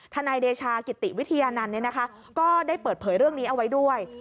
นายเดชากิติวิทยานันต์ก็ได้เปิดเผยเรื่องนี้เอาไว้ด้วย